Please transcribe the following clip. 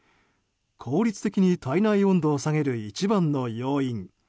効率的に体内温度を下げる一番の要因